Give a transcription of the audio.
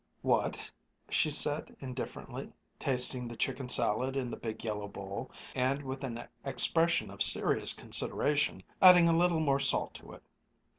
"What?" she said indifferently, tasting the chicken salad in the big yellow bowl, and, with an expression of serious consideration, adding a little more salt to it.